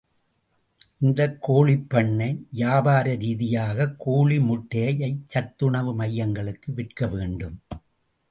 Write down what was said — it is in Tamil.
இந்தக் கோழிப்பண்ணை, வியாபார ரீதியாகக் கோழி முட்டையைச் சத்துணவு மையங்களுக்கு விற்க வேண்டும்.